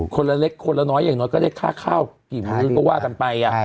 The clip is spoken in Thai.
คนละเล็กคนละน้อยอย่างน้อยก็ได้ค่าข้าวกี่มื้อก็ว่ากันไป